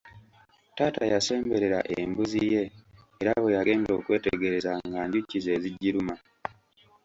Taata yasemberera embuzi ye era bwe yagenda okwetegereza nga njuki z'ezigiruma.